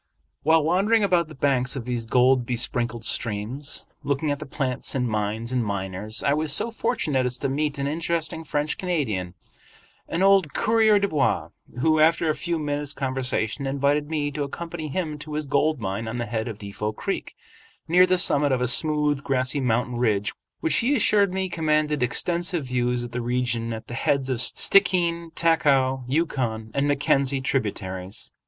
While wandering about the banks of these gold besprinkled streams, looking at the plants and mines and miners, I was so fortunate as to meet an interesting French Canadian, an old coureur de bois, who after a few minutes' conversation invited me to accompany him to his gold mine on the head of Defot Creek, near the summit of a smooth, grassy mountain ridge which he assured me commanded extensive views of the region at the heads of Stickeen, Taku, Yukon, and Mackenzie tributaries.